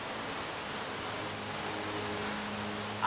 aku selalu dihina